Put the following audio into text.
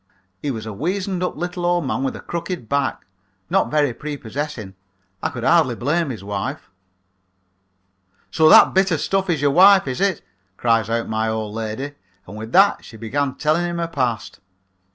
"He was a weazened up little old man with a crooked back. Not very prepossessing. I could hardly blame his wife. "'So that bit of stuff is your wife, is it?' cries out my old lady, and with that she began telling him her past.